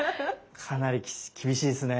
かなり厳しいですね。